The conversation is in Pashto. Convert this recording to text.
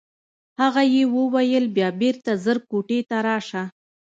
هغه یې وویل بیا بېرته ژر کوټې ته راشه.